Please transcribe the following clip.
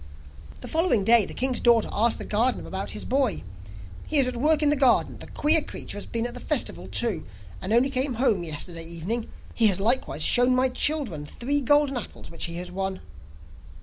The following day the king's daughter asked the gardener about his boy. 'He is at work in the garden; the queer creature has been at the festival too, and only came home yesterday evening; he has likewise shown my children three golden apples which he has won.